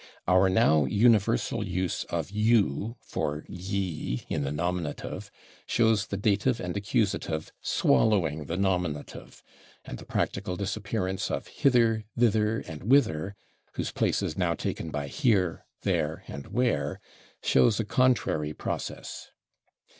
Our now universal use of /you/ for /ye/ in the nominative shows the dative and accusative swallowing the nominative, and the practical disappearance of /hither/, /thither/ and /whither/, whose place is now taken by /here/, /there/ and /where/, shows a contrary process.